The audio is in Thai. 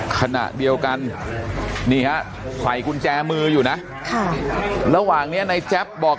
ขณะเดียวกันนี่ฮะใส่กุญแจมืออยู่นะระหว่างนี้ในแจ๊บบอก